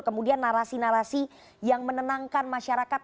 kemudian narasi narasi yang menenangkan masyarakat